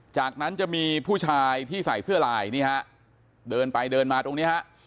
จากนั้นจะมีผู้ชายที่ใส่เสื้อลายนี่ฮะเดินไปเดินมาตรงนี้ฮะ